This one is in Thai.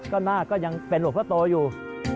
ก็หน้าก็ยังเป็นหลวงพ่อโตอยู่